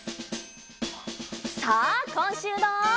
さあこんしゅうの。